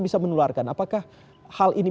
bisa menularkan apakah hal ini